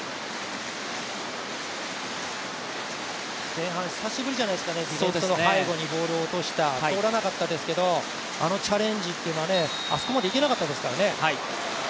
前半、久しぶりじゃないですかね、ディフェンスの背後にボールを落としたあのチャレンジというのは、あそこまで行けなかったですからね。